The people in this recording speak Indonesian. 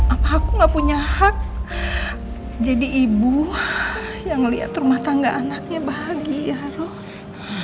apa aku gak punya hak jadi ibu yang ngeliat rumah tangga anaknya bahagia ros